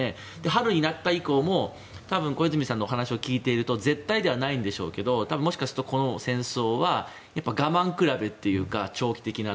春になった以降も多分、小泉さんのお話を聞いていると絶対ではないんでしょうけどもしかするとこの戦争は我慢比べというか、長期的な。